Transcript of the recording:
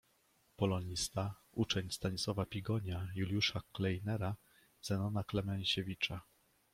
Polonista, uczeń Stanisława Pigonia, Juliusza Kleinera, Zenona Klemensiewicza.